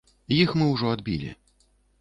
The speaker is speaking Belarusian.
Іх мы ўжо адбілі.